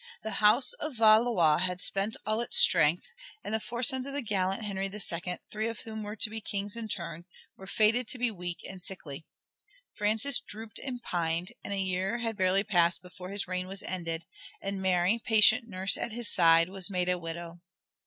The house of Valois had spent all its strength, and the four sons of the gallant Henry II, three of whom were to be kings in turn, were fated to be weak and sickly. Francis drooped and pined, and a year had barely passed before his reign was ended, and Mary, patient nurse at his side, was made a widow.